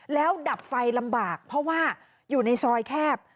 แล้วดับไฟลำบากเพราะว่าอยู่ในซอยแคบ